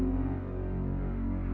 kamu mau minum obat